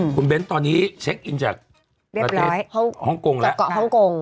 คุณเบ้นตอนนี้เช็คอินจากประเทศฮ่องกงจากเกาะฮ่องกง